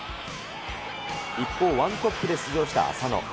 一方、ワントップで出場した浅野。